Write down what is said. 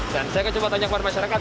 dan saya akan coba tanya kepada masyarakat